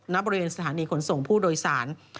ณบริเวณสถานีขนส่งผู้โดยสาร